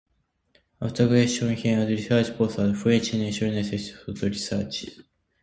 After graduation, he held a research post at France's National Center for Scientific Research.